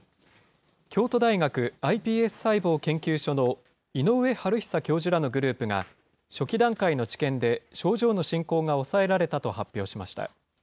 京都大学ｉＰＳ細胞研究所の井上治久教授らのグループが、初期段階の治験で症状の進行が抑えられたと発表しました。